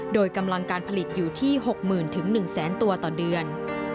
โดยกำลังการผลิตอยู่ที่หกหมื่นถึงหนึ่งแสนตัวต่อเดือน